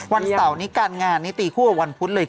วันเสาร์นี้การงานนี้ตีคู่กับวันพุธเลย